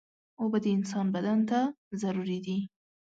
اوبه د انسان بدن ته ضروري دي.